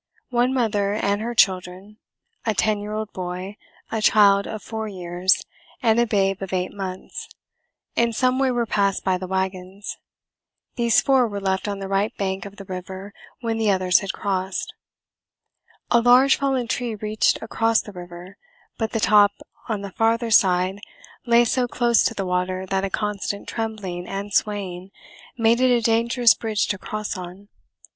One mother and her children, a ten year old boy, a child of four years, and a babe of eight months, in some way were passed by the wagons. These four were left on the right bank of the river when the others had crossed. A large fallen tree reached across the river, but the top on the farther side lay so close to the water that a constant trembling and swaying made it a dangerous bridge to cross on.